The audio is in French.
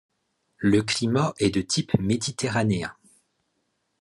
Le climat est de type méditerranéen.